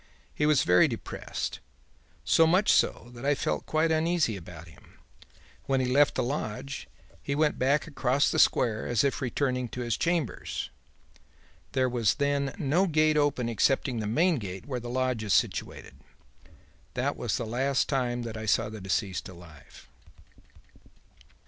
He was very depressed; so much so that I felt quite uneasy about him. When he left the lodge, he went back across the square as if returning to his chambers. There was then no gate open excepting the main gate where the lodge is situated. That was the last time that I saw the deceased alive.'"